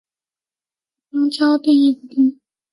与肛交的定义不同。